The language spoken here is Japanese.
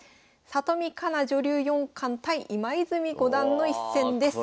里見香奈女流四冠対今泉五段の一戦です。